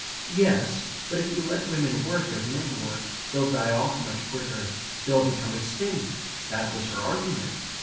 Yes; but if you let women work as men work, they'll die off much quicker. They'll become extinct. That was her argument.